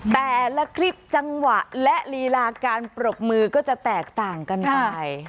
แต่ละคลิปจังหวะและลีลาการปรบมือก็จะแตกต่างกันไป